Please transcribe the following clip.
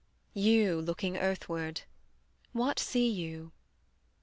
You looking earthward, what see you?